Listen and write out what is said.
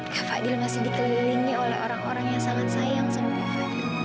kak fadil masih dikelilingi oleh orang orang yang sangat sayang sama mama